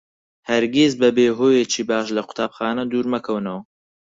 هەرگیز بەبێ هۆیەکی باش لە قوتابخانە دوور مەکەونەوە.